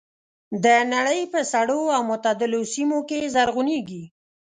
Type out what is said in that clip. د نړۍ په سړو او معتدلو سیمو کې زرغونېږي.